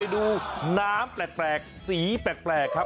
ดูน้ำแปลกสีแปลกครับ